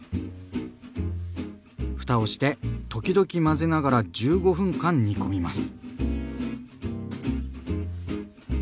ふたをして時々混ぜながら１５分間煮込みます。